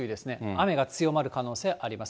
雨が強まる可能性あります。